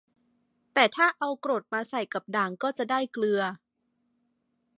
แต่ถ้าเอากรดมาใส่กับด่าง ก็จะได้เกลือ